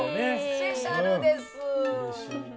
スペシャルです。